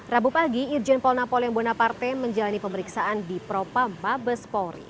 rabu pagi irjen paul napoleon bonaparte menjalani pemeriksaan di propa mabes polri